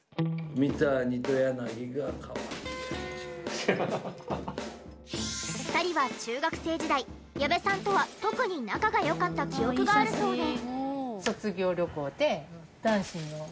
三谷と柳が２人は中学生時代矢部さんとは特に仲が良かった記憶があるそうで。